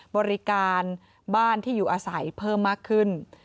บริการบ้านที่อยู่อาศัยเพิ่มมากขึ้น